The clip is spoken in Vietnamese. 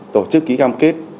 tổ chức ký cam kết